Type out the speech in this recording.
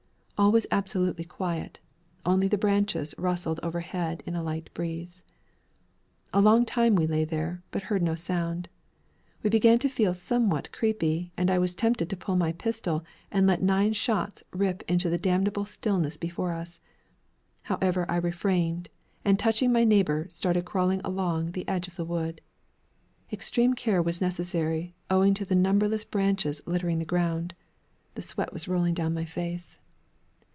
All was absolutely quiet; only the branches rustled overhead in a light breeze. A long time we lay there, but heard no sound. We began to feel somewhat creepy, and I was tempted to pull my pistol and let nine shots rip into the damnable stillness before us. However, I refrained, and touching my neighbor, started crawling along the edge of the wood. Extreme care was necessary, owing to the numberless branches littering the ground. The sweat was rolling down my face.